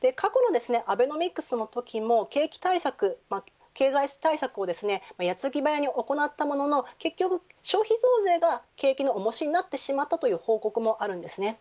過去のアベノミクスのときも景気対策経済対策を矢継ぎ早に行ったものの結局、消費増税が景気の重しになってしまったという報告もあります。